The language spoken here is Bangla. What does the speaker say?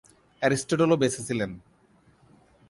এরিস্টটল-ও বেঁচে ছিলেন।